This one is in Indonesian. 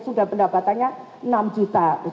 sudah pendapatannya enam juta